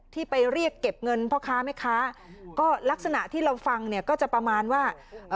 ที่ไปเรียกเก็บเงินพ่อค้าแม่ค้าก็ลักษณะที่เราฟังเนี่ยก็จะประมาณว่า